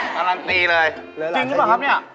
จริงหรือเปล่าครับเนี่ย